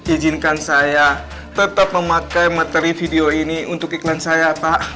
izinkan saya tetap memakai materi video ini untuk iklan saya pak